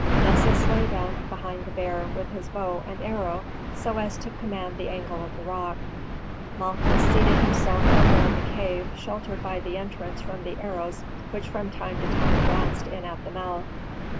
Nessus lay down behind the bear, with his bow and arrow so as to command the angle of the rock. Malchus seated himself further in the cave, sheltered by the entrance from the arrows which from time to time glanced in at the mouth.